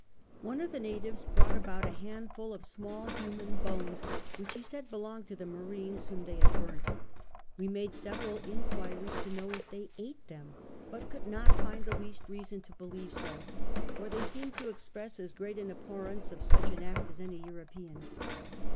One of the natives brought about a handful of small human bones wliich he said belonged to the marines, •.'/horn they had burnt ; we made several inquiries to know if they ate them, but could not find the least reason to believe so : for they seemed to express as great an abhorrence of such an act as any European.